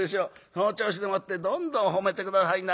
その調子でもってどんどん褒めて下さいな』